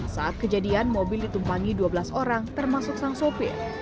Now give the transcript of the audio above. saat kejadian mobil ditumpangi dua belas orang termasuk sang sopir